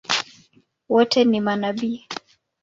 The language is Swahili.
Wote ni manabii?